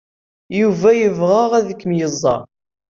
Yuba yebɣa ad kem-iẓer.